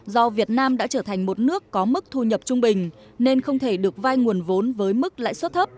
do việt nam đã trở thành một nước có mức thu nhập trung bình nên không thể được vai nguồn vốn với mức lãi suất thấp